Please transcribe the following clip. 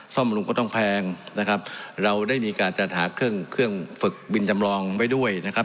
บำรุงก็ต้องแพงนะครับเราได้มีการจัดหาเครื่องเครื่องฝึกบินจำลองไว้ด้วยนะครับ